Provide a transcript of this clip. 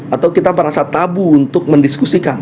atau kita merasa tabu untuk mendiskusikan